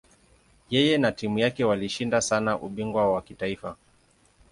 Yeye na timu yake walishinda sana ubingwa wa kitaifa.